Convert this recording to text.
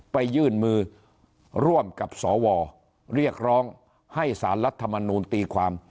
ไปยื่นมือร่วมกับสวเรียกร้องให้สารรัฐมนูลตีความ